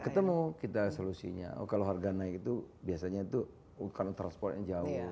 ketemu kita solusinya kalau harga naik itu biasanya transportnya jauh